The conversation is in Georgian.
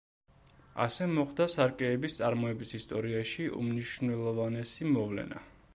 ასე მოხდა სარკეების წარმოების ისტორიაში უმნიშვნელოვანესი მოვლენა.